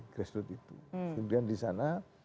grassroot itu kemudian di sana